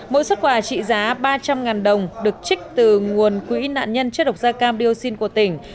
mỗi xuất quà trị giá ba trăm linh đồng được trích từ nguồn quỹ nạn nhân chất độc da cam dioxin của tỉnh